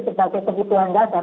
sebagai kebutuhan dasar